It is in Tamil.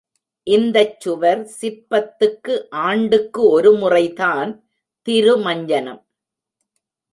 இந்தச் சுவர் சிற்பத்துக்கு ஆண்டுக்கு ஒரு முறைதான் திருமஞ்சனம்.